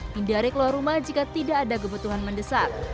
hindari keluar rumah jika tidak ada kebutuhan mendesak